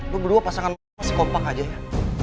lo berdua pasangan lo sekopak aja ya